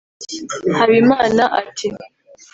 Habimana ati